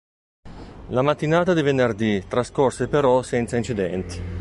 La mattinata di venerdì trascorse però senza incidenti.